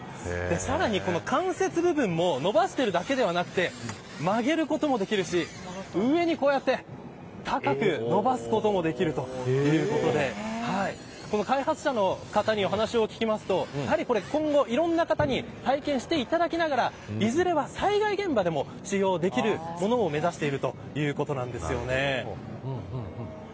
さらにこの関節部分も伸ばしているだけでなくて曲げることもできるし上に、こうやって高く伸ばすこともできるということで開発者の方にお話を聞きますと今後いろんな方に体験していただきながらいずれは災害現場でも使用できるものを目指しているということなんです。